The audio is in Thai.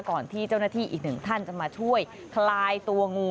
ก่อนที่เจ้าหน้าที่อีกหนึ่งท่านจะมาช่วยคลายตัวงู